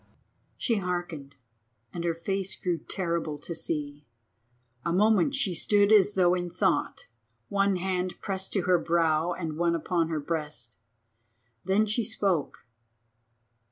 She hearkened, and her face grew terrible to see. A moment she stood as though in thought, one hand pressed to her brow and one upon her breast. Then she spoke.